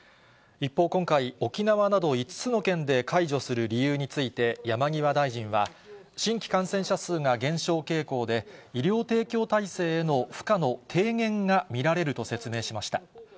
一方、今回、沖縄など５つの県で解除する理由について山際大臣は、新規感染者数が減少傾向で、医療提供体制への負荷の低減が見られると説明しました。